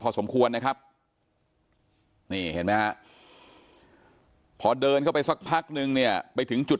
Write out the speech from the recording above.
พอสมควรนะครับพอเดินเข้าไปสักพักนึงเนี่ยไปถึงจุด